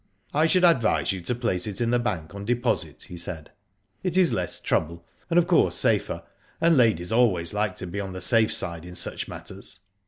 "I should advise you to place it in the bank on deposit," he said. ^'It is less trouble, and of course safer, and ladies always like to be on the safe side in such matters."